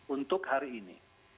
untuk hari ini